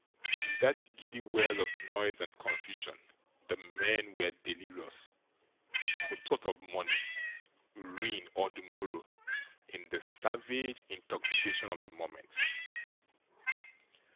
In that giddy whirl of noise and confusion, the men were delirious. Who thought of money, ruin, or the morrow, in the savage intoxication of the moment?